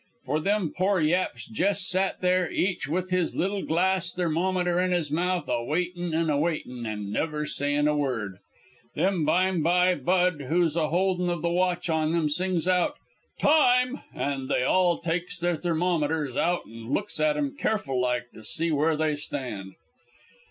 For them pore yaps jes' sat there, each with his little glass thermometer in his mouth, a waitin' and a waitin' and never sayin' a word. Then bime by Bud, who's a holdin' of the watch on 'em, sings out 'Time!' an' they all takes their thermometers out an' looks at 'em careful like to see where they stand.